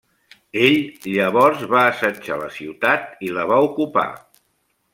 Ell llavors va assetjar la ciutat i la va ocupar.